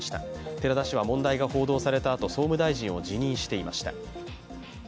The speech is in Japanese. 寺田氏は問題が報道されたあと総務大臣を辞任していました。